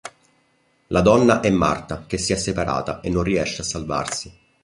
La donna è Marta che si è sparata e non riesce a salvarsi.